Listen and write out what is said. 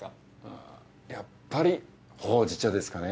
あやっぱりほうじ茶ですかね。